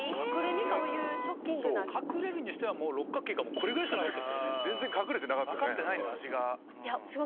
隠れるにしては六角形がこれぐらいしかなかった。